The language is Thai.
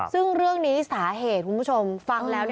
ซึ่งเรื่องนี้สาเหตุคุณผู้ชมฟังแล้ว